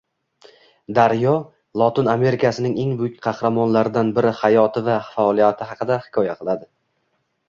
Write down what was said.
“Daryo” Lotin Amerikasining eng buyuk qahramonlaridani biri hayoti va faoliyati haqida hikoya qiladi